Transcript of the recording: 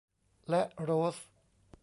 และโรส